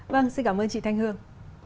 vâng xin cảm ơn chị thanh hương